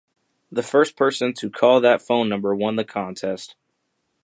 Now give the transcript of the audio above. The first person to call that phone number won the contest.